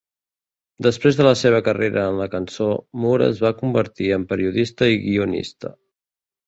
Després de la seva carrera en la cançó, Moore es va convertir en periodista i guionista.